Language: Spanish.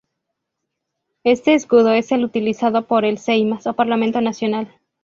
Este escudo es el utilizado por el Seimas, o Parlamento nacional.